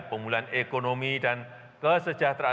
pemuluhan ekonomi dan kesejahteraan